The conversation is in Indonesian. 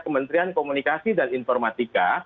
kementerian komunikasi dan informatika